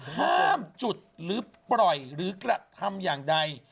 ห้ามจุดหรือปล่อยหรือกระทำอย่างใด